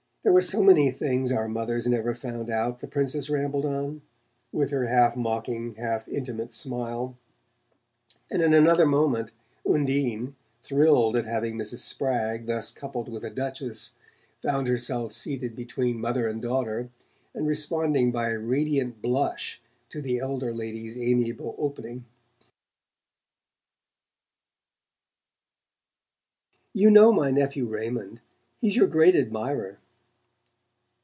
There were so many things our mothers never found out," the Princess rambled on, with her half mocking half intimate smile; and in another moment Undine, thrilled at having Mrs. Spragg thus coupled with a Duchess, found herself seated between mother and daughter, and responding by a radiant blush to the elder lady's amiable opening: "You know my nephew Raymond he's your great admirer."